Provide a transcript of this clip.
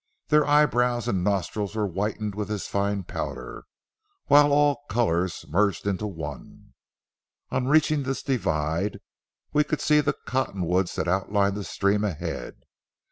Their eyebrows and nostrils were whitened with this fine powder, while all colors merged into one. On reaching this divide, we could see the cotton woods that outlined the stream ahead.